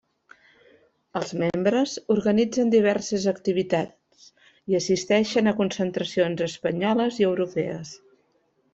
Els membres organitzen diverses activitats i assisteixen a concentracions espanyoles i europees.